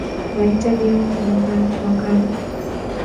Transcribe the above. mahitaji ya unga wa ngano